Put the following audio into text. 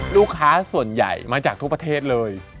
ลูกค้าส่วนใหญ่มาจากทุกประเทศเลย